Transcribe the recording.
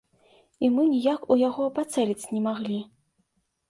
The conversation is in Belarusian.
І мы ніяк ў яго пацэліць не маглі.